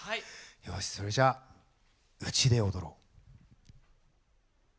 よしそれじゃ「うちで踊ろう」。